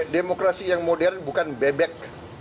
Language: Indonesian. demokrasi yang modern bukan bebek